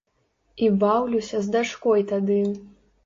І баўлюся з дачкой тады.